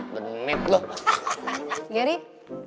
serius ini kayak gini